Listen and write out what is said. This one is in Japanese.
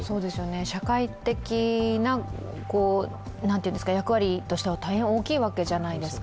社会的な役割としては大変大きいわけじゃないですか。